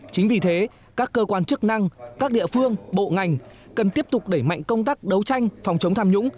chính vì thế các cơ quan chức năng các địa phương bộ ngành cần tiếp tục đẩy mạnh công tác đấu tranh phòng chống tham nhũng